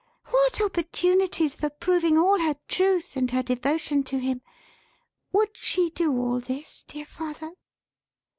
What opportunities for proving all her truth and her devotion to him! Would she do all this, dear father?"